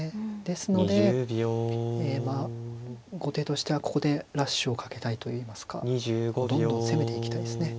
ですので後手としてはここでラッシュをかけたいといいますかどんどん攻めていきたいですね。